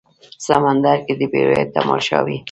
سمندر کې د بیړیو تماشا وي